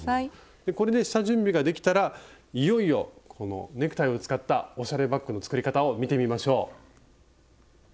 これで下準備ができたらいよいよこのネクタイを使ったおしゃれバッグの作り方を見てみましょう。